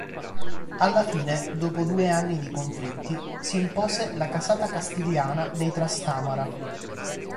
Alla fine, dopo due anni di conflitti, si impose la casata castigliana dei Trastámara.